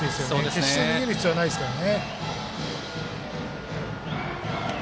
決して逃げる必要はないですから。